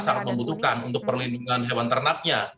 sangat membutuhkan untuk perlindungan hewan ternaknya